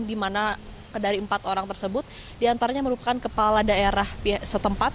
di mana dari empat orang tersebut diantaranya merupakan kepala daerah setempat